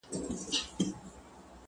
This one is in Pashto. نه په زړه رازونه پخواني لري.